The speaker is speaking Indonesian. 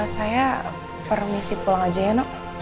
saya permisi pulang aja ya dok